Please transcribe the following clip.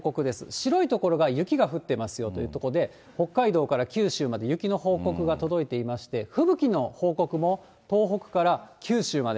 白い所が雪が降ってますよという所で、北海道から九州まで雪の報告が届いていまして、吹雪の報告も、東北から九州まで。